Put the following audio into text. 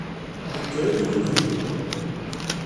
Meggren deg unebdu.